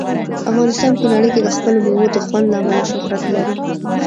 افغانستان په نړۍ کې د خپلو مېوو د خوند له امله شهرت لري.